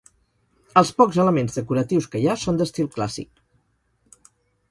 Els pocs elements decoratius que hi ha són d'estil clàssic.